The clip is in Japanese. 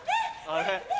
あれ？